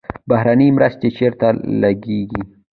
بهرنۍ مرستې چیرته لګیږي؟